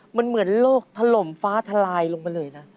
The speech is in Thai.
มันเหมือนโลกถล่มฟ้าทลายลงไปเลยนะ